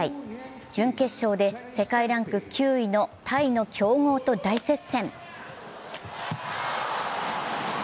準決勝で世界ランク９位のタイの強豪と大接戦。